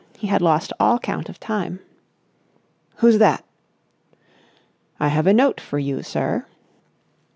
He had lost all count of time. "Who's that?" "I have a note for you, sir."